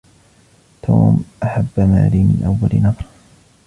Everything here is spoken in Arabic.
توم احب ماري من اول نظره.